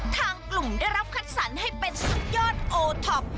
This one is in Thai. ทางกลุ่มได้รับคัดสรรให้เป็นสุดยอดโอท็อป